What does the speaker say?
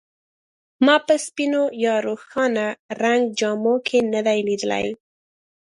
ما په سپینو یا روښانه رنګ جامو کې نه دی لیدلی.